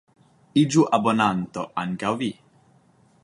Iĝu abonanto ankaŭ vi!